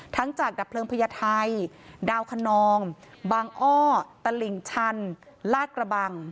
จากดับเพลิงพญาไทยดาวคนนองบางอ้อตลิ่งชันลาดกระบัง